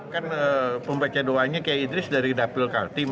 kan pembacaan doanya kiai idris dari dapil kaltim